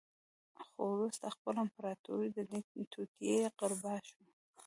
خو وروسته خپله امپراتور د دې توطیې قربا شو